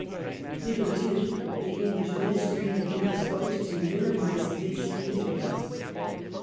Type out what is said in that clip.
Hitherto the English Ministry had been disposed to minimize its significance.